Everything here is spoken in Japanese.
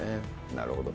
なるほど。